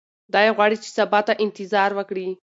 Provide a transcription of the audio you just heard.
دی غواړي چې سبا ته انتظار وکړي.